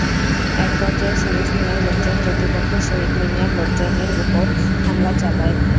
একপর্যায়ে সুরুজ মিয়ার লোকজন প্রতিপক্ষ শহিদ মিয়ার লোকজনের ওপর হামলা চালায়।